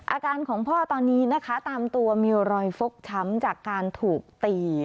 อาการของพ่อตอนนี้นะคะตามตัวมีรอยฟกช้ำจากการถูกตี